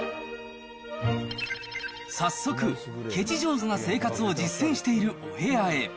早速、ケチ上手な生活を実践しているお部屋へ。